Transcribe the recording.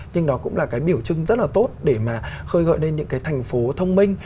nhưng đó cũng là cái biểu trưng rất là tốt để mà khơi gọi lên những cái thành phố thông minh